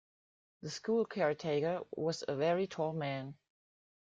The school caretaker was a very tall man